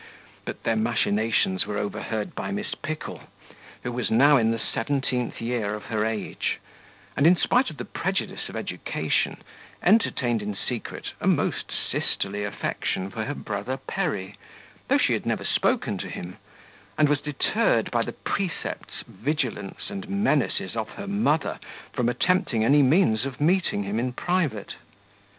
But their machinations were overheard by Miss Pickle, who was now in the seventeenth year of her age, and, in spite of the prejudice of education, entertained in secret a most sisterly affection for her brother Perry, though she had never spoken to him, and was deterred by the precepts, vigilance and menaces of her mother, from attempting any means of meeting him in private.